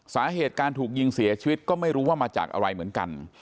สาเหตุการถูกยิงเสียชีวิตก็ไม่รู้ว่ามาจากอะไรเหมือนกัน